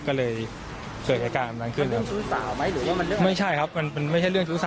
ก็เลยเกิดอากาศกลางขึ้นแล้วไม่ใช่ครับมันไม่ใช่เรื่องชู้สาว